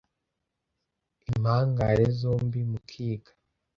impangare zombi mukiga